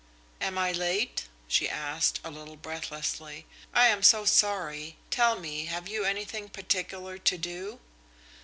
"Am I late?" she asked, a little breathlessly. "I am so sorry. Tell me, have you anything particular to do?"